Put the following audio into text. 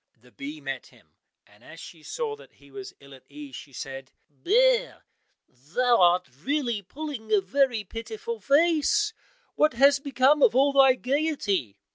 The bee met him, and as she saw that he was ill at ease, she said, "Bear, thou art really pulling a very pitiful face; what has become of all thy gaiety?"